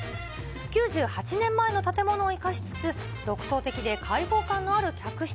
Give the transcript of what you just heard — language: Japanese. ９８年前の建物を生かしつつ、独創的で開放感のある客室。